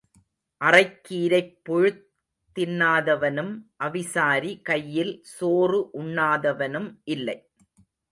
அறைக் கீரைப் புழுத் தின்னாதவனும் அவிசாரி கையில் சோறு உண்ணாதவனும் இல்லை.